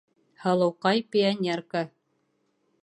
ҺЫЛЫУҠАЙ - ПИОНЕРКА